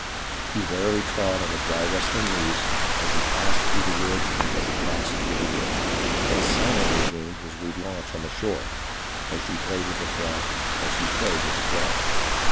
He warily trod on the dry rustling leaves As he passed thro' the woods ; as he passed thro' the woods ; And silently gained his rude launch on the shore, As she played with the flood ; as she played with the flood.